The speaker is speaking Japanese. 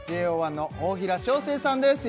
ＪＯ１の大平祥生さんです